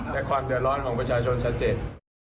แต่ความเดือดร้อนจริงชัดเจน